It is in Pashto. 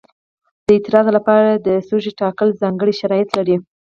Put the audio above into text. د اعتراض لپاره د سوژې ټاکل ځانګړي شرایط لري.